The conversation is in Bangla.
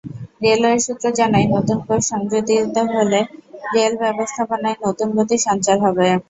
রেলওয়ে সূত্র জানায়, নতুন কোচ সংযোজিত হলে রেল ব্যবস্থাপনায় নতুন গতি সঞ্চার হবে।